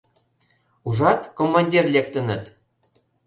Ужат, командир лектыныт...